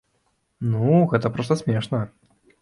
Ну, гэта проста смешна!